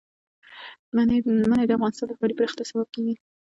منی د افغانستان د ښاري پراختیا سبب کېږي.